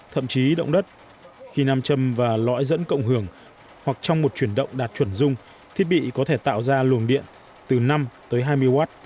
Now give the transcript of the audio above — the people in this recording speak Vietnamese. thậm chí động đất khi nam châm và lõi dẫn cộng hưởng hoặc trong một chuyển động đạt chuẩn dung thiết bị có thể tạo ra luồng điện từ năm tới hai mươi w